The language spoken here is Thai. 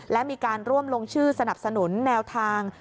และมีการร่วมลงชื่อสนับสนุนแนวทาง